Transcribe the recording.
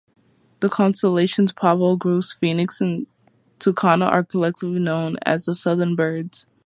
The constellations Pavo, Grus, Phoenix and Tucana are collectively known as the "Southern Birds".